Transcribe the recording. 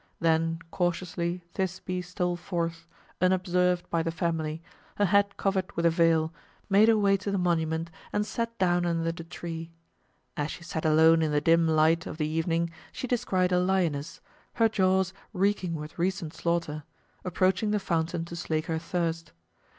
Then cautiously Thisbe stole forth, unobserved by the family, her head covered with a veil, made her way to the monument and sat down under the tree. As she sat alone in the dim light of the evening she descried a lioness, her jaws reeking with recent slaughter, approaching the fountain to slake her thirst.